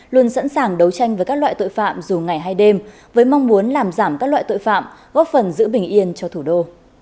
làm đấu tranh với các loại tội phạm dù ngày hay đêm với mong muốn làm giảm các loại tội phạm góp phần giữ bình yên cho thủ đô